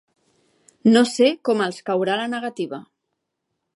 No sé com els caurà la negativa.